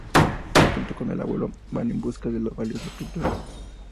Junto con el Abuelo, van en busca de las valiosas pinturas.